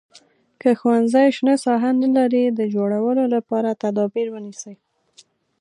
که ښوونځی شنه ساحه نه لري د جوړولو لپاره تدابیر ونیسئ.